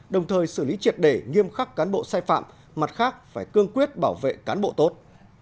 đồng thời xử lý triệt đề nghiêm khắc cán bộ sai phạm mặt khác phải cương quyết bảo vệ cán bộ tốt